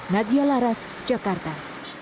nadia laras jakarta